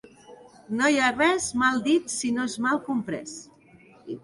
No hi ha res mal dit si no és mal comprès.